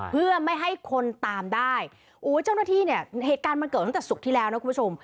เพื่อไม่ให้คนตามได้โอ้เจ้าหน้าที่เนี่ยเหตุการณ์มันเกิดตั้งแต่ศุกร์ที่แล้วนะคุณผู้ชม